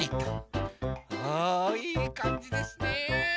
あいいかんじですね。